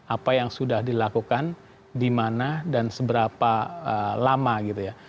apa yang sudah dilakukan di mana dan seberapa lama gitu ya